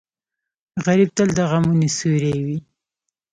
غریب تل د غمونو سیوری وي